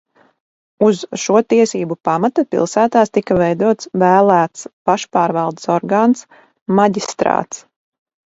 Uz šo tiesību pamata pilsētās tika veidots vēlēts pašpārvaldes orgāns maģistrāts.